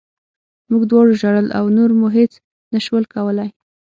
موږ دواړو ژړل او نور مو هېڅ نه شول کولی